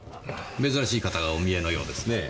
珍しい方がお見えのようですねぇ。